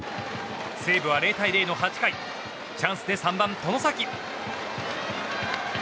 西武は０対０の８回チャンスで３番、外崎。